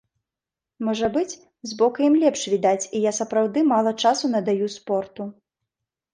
Можа быць, збоку ім лепш відаць і я сапраўды мала часу надаю спорту.